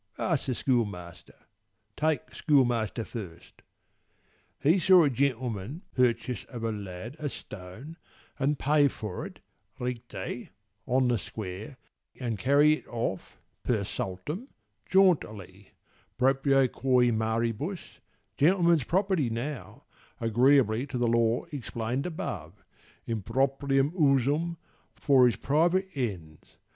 Ask the schoolmaster. Take schoolmaster first. He saw a gentleman purchase of a lad A stone, and pay for it rite, on the square, And carry it off per saltum, jauntily, Propria quæ maribus, gentleman's property now (Agreeably to the law explain'd above), In proprium usum, for his private ends.